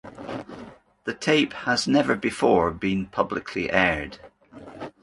The tape has never before been publicly aired.